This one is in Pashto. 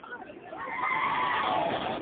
ساندي هم خوشاله زړه غواړي.